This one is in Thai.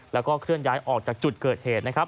แล้วก็เคลื่อนย้ายออกจากจุดเกิดเหตุนะครับ